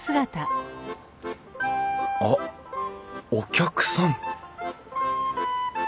あっお客さん